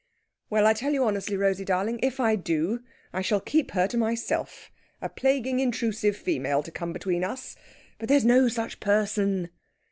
"Well! I tell you honestly, Rosey darling, if I do, I shall keep her to myself. A plaguing, intrusive female to come between us. But there's no such person!"